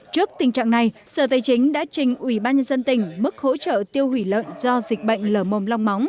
trước tình trạng này sở tây chính đã trình ủy ban nhân dân tỉnh mức hỗ trợ tiêu hủy lợn do dịch bệnh lở mồm long móng